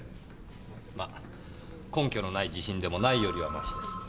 ま根拠のない自信でもないよりはマシです。